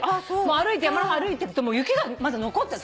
歩いて山の中歩いてると雪がまだ残ってる。